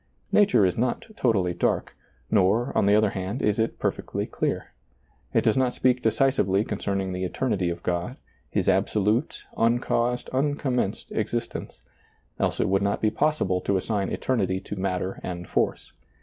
Nature is not totally dark; nor, on the other hand, is it perfectly clear. It does not speak decisively con cerning the eternity of God, His absolute, un caused, unconimenced existence, else it would not be possible to assign eternity to matter and force.